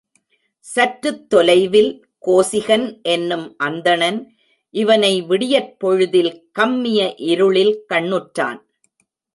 சற்றுத் தொலைவில் கோசிகன் என்னும் அந்தணன் இவனை விடியற்பொழுதில் கம்மிய இருளில் கண்ணுற்றான்.